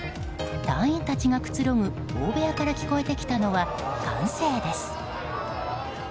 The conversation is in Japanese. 隊員たちがくつろぐ大部屋から聞こえてきたのは歓声です。